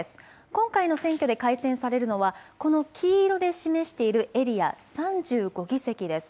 今回の選挙で改選されるのはこの黄色で示しているエリア、３５議席です。